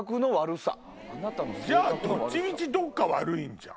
じゃあどっちみちどっか悪いんじゃん。